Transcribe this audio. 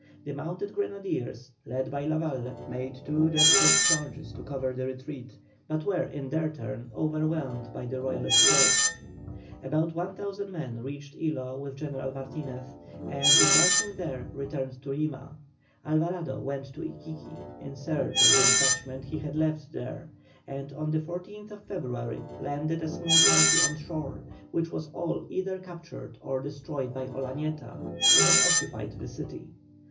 The mounted grenadiers, led by Lavalle, made two desperate charges to cover the retreat, but were in their turn overwhelmed by the Royalist horse. About 1,000 men reached Ilo with General Martinez, and embarking there, returned to Lima. Alvarado went to Iquiqui in search of the detachment he had left there, and on the 14th February landed a small party on shore, which was all either captured or destroyed by Olañeta, who had occupied the city.